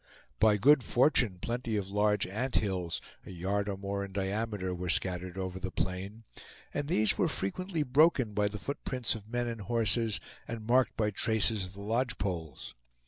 By good fortune plenty of large ant hills, a yard or more in diameter, were scattered over the plain, and these were frequently broken by the footprints of men and horses, and marked by traces of the lodge poles.